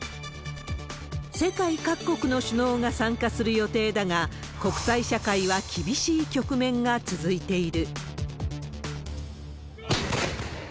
世界各国の首脳が参加する予定だが、国際社会は厳しい局面が続いている。